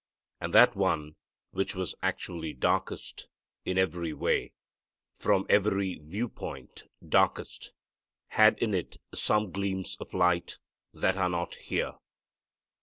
And that one which was actually darkest, in every way, from every view point darkest, had in it some gleams of light that are not here.